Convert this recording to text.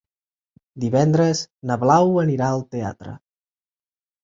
Divendres na Blau anirà al teatre.